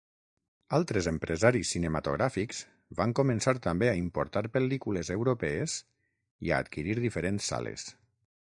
Altres empresaris cinematogràfics van començar també a importar pel·lícules europees i a adquirir diferents sales.